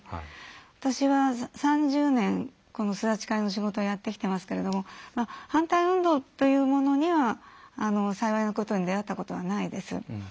私は３０年この巣立ち会の仕事をやってきてますけど反対運動というものには幸いなことに出会ったことはないです。